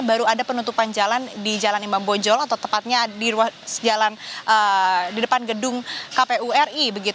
baru ada penutupan jalan di jalan imam bonjol atau tepatnya di depan gedung kpu ri